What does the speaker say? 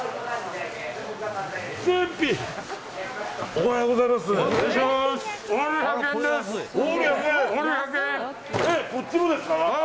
おはようございます。